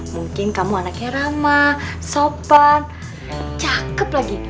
mungkin kamu anaknya ramah sopan cakep lagi